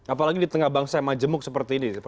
apalagi di tengah bangsa yang majemuk seperti ini